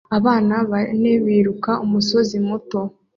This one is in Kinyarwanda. Abana bane biruka umusozi muto